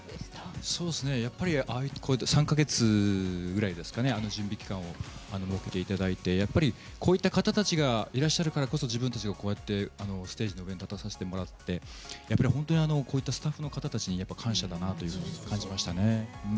３か月ぐらい準備期間をやっていただいてこういった方たちがいらっしゃるからこそ自分たちが、こうやってステージの上に立たせてもらって本当にこういったスタッフの方たちに感謝だなと感じましたね。